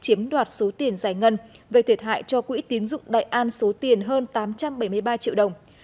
chiếm đoạt số tiền giải ngân gây thiệt hại cho quỹ tín dụng đại an số tiền hơn tám trăm bảy mươi ba triệu đồng